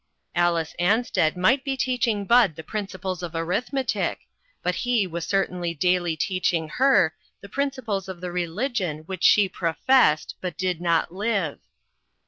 Alice Ansted might be teaching Bud the principles of arithmetic, but he was certainly daily teaching her the principles of the religion which she pro fessed, but did not live.